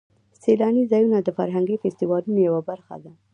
سیلاني ځایونه د فرهنګي فستیوالونو یوه برخه ده.